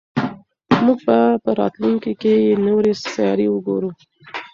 موږ به په راتلونکي کې نورې سیارې وګورو.